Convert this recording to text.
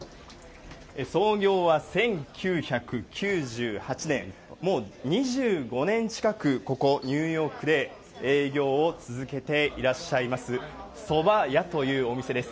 創業は１９９８年、もう２５年近く、ここニューヨークで営業を続けていらっしゃいます、蕎麦屋というお店です。